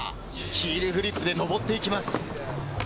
ヒールフリップで上っていきます。